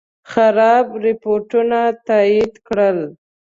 خراب رپوټونه تایید کړل.